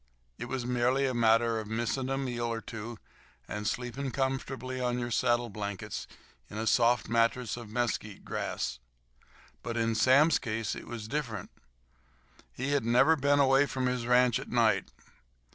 It was merely a matter of missing a meal or two and sleeping comfortably on your saddle blankets on a soft mattress of mesquite grass. But in Sam's case it was different. He had never been away from his ranch at night.